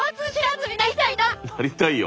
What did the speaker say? なりたいよ。